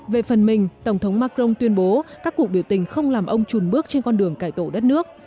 về phần mình tổng thống macron tuyên bố các cuộc biểu tình không làm ông trùn bước trên con đường cải tổ đất nước